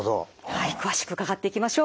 はい詳しく伺っていきましょう。